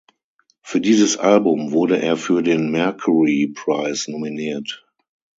Für dieses Album wurde er für den Mercury Prize nominiert.